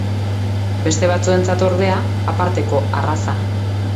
Beste batzuentzat ordea aparteko arraza.